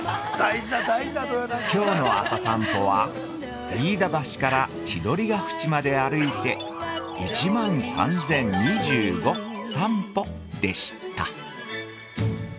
◆きょうの朝さんぽは飯田橋から千鳥ヶ淵まで歩いて１万３０２５さん歩でした。